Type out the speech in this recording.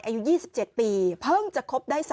อายุ๒๗ปีเพิ่งจะคบได้